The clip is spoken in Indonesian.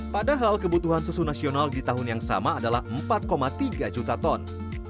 padahal kebutuhan susu nasional di tahun yang sama adalah empat tiga juta ton